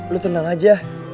lo tenang aja